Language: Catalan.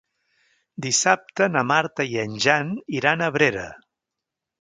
Dissabte na Marta i en Jan iran a Abrera.